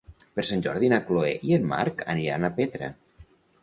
Per Sant Jordi na Chloé i en Marc aniran a Petra.